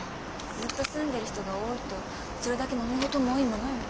ずっと住んでる人が多いとそれだけもめ事も多いものよ。